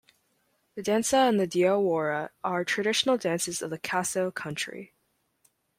The "dansa" and the "diawoura" are traditional dances of the Khasso country.